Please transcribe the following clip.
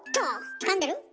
つかんでる。